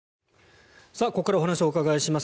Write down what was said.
ここからお話をお伺いします。